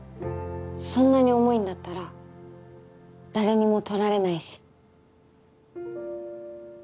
そんなに重いんだったら誰にも取られないし。